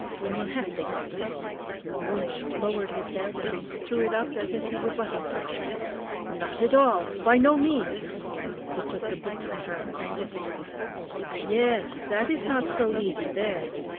When you have to get them?" Wunsch lowered his head and threw it up as if he were butting something. "Not at all! By no means." He took the book from her and looked at it. "Yes, that is not so easy, there.